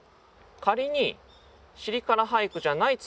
仮に「尻から俳句」じゃない作り方。